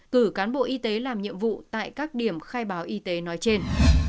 cử cán bộ y tế làm nhiệm vụ tại các điểm khai báo y tế nói trên